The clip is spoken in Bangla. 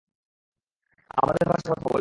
আমাদের ভাষায় কথা বলে।